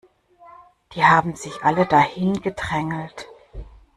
Die haben sich alle da hingedrängelt.